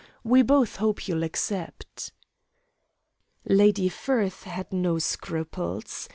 We both hope you'll accept." Lady Firth had no scruples.